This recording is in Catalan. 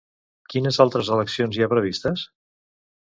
Quines altres eleccions hi ha previstes?